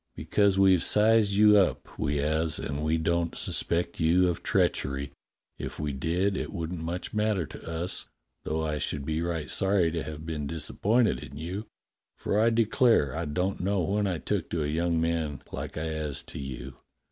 "Because we've sized you up, w^e 'as, and we don't suspect you of treachery. If we did, it wouldn't much matter to us, though I should be right sorry to have been disappointed in you, for I declare I don't know when I took to a young man like I 'as to you.